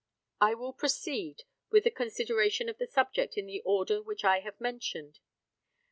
I will proceed with the consideration of the subject in the order which I have mentioned.